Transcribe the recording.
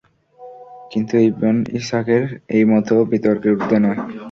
কিন্তু ইবন ইসহাকের এ মতও বিতর্কের ঊর্ধ্বে নয়।